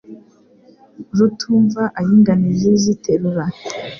Rutumva ay' inganizi ziterura